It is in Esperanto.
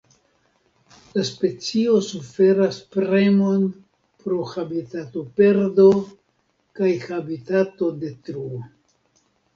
La specio suferas premon pro habitatoperdo kaj habitatodetruo.